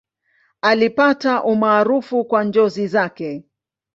Alipata umaarufu kwa njozi zake.